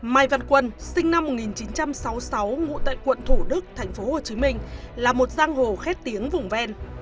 mai văn quân sinh năm một nghìn chín trăm sáu mươi sáu ngụ tại quận thủ đức tp hcm là một giang hồ khét tiếng vùng ven